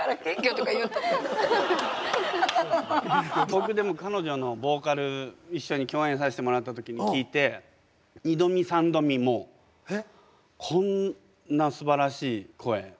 僕でも彼女ボーカル一緒に共演させてもらった時に聴いて２度見３度見もうこんなすばらしい声